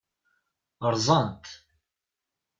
Rẓan-t.